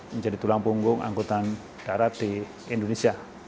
menjadi tulang punggung angkutan darat di indonesia